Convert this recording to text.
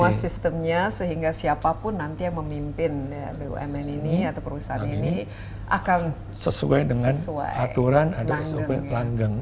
tapi semua sistemnya sehingga siapapun nanti yang memimpin bumn ini atau perusahaan ini akan sesuai dengan aturan dan langgeng